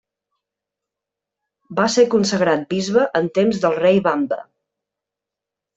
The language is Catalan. Va ser consagrat bisbe en temps del rei Vamba.